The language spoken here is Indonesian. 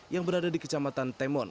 yang berada di kecamatan temon